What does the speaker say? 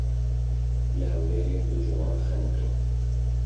Li Hewlêrê du ciwan xeniqîn.